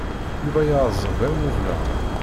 Yuba yeɛẓeg am ublaḍ.